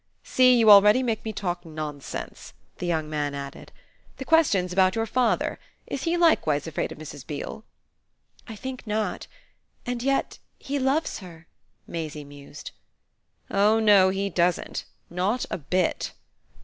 See you already make me talk nonsense," the young man added. "The question's about your father. Is he likewise afraid of Mrs. Beale?" "I think not. And yet he loves her," Maisie mused. "Oh no he doesn't; not a bit!"